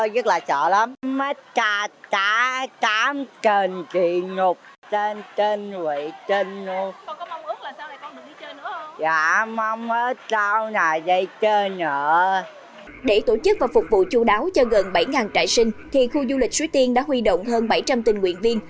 để tổ chức và phục vụ chú đáo cho gần bảy trại sinh thì khu du lịch suối tiên đã huy động hơn bảy trăm linh tình nguyện viên